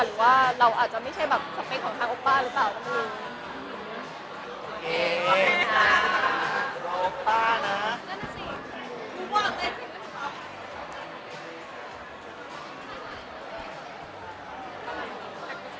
มันเข้ามาหรือว่าเราอาจจะไม่ใช่แบบสัมเกตของทางโอปป้าหรือเปล่ากันอีก